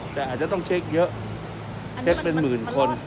แต่อาจจะต้องเช็คเยอะเช็คเป็นหมื่นคน